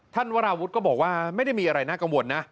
วราวุฒิก็บอกว่าไม่ได้มีอะไรน่ากังวลนะ